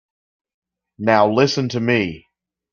Now listen to me.